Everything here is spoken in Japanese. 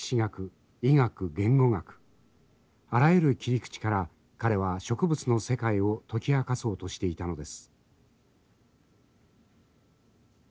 あらゆる切り口から彼は植物の世界を解き明かそうとしていたのです。